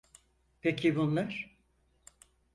Peki bunlar?